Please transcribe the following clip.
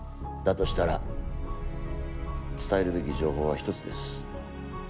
としたら伝えるべき情報は一つです。